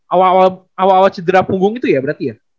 awal awal cedera punggung itu ya berarti ya